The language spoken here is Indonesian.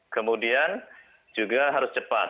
kemudian juga harus cepat